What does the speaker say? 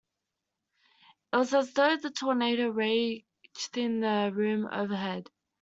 It was as though a tornado raged in the room overhead.